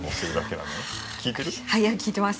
はいいや聞いてます。